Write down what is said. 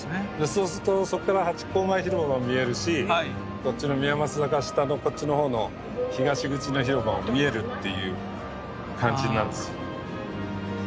そうするとそこからハチ公前広場も見えるしこっちの宮益坂下のこっちの方の東口の広場も見えるっていう感じになるんですよ。